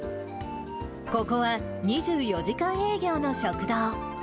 ここは２４時間営業の食堂。